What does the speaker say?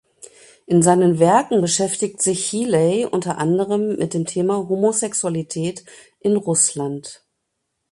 In seinen Werken beschäftigt sich Healey unter anderem mit dem Thema Homosexualität in Russland.